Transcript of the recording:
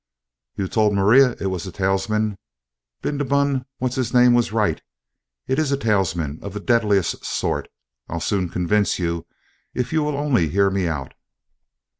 "You told Maria it was a talisman. Bindabun what's his name was right. It is a talisman of the deadliest sort. I'll soon convince you, if you will only hear me out."